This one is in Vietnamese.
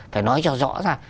phải nói cho rõ ra